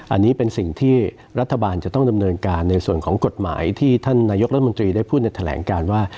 อันนี้เป็นสิ่งที่รัฐบาลจะต้องดำเนินการในส่วนของกฎหมายที่ท่านนายกรัฐมนตรีได้พูดในแถลงการว่า